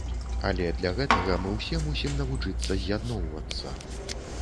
Але для гэтага мы ўсе мусім навучыцца з'ядноўвацца.